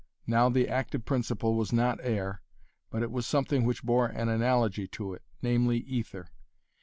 Now the active principle was not air, but it was something which bore an analogy to it namely aether.